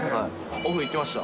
オフ、行きました。